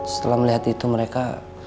setelah melihat itu mereka